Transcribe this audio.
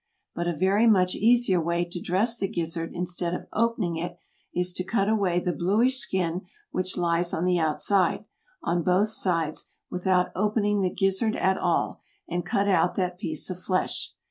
But a very much easier way to dress the gizzard instead of opening it, is to cut away the bluish skin which lies on the outside, on both sides, without opening the gizzard at all, and cut out that piece of flesh.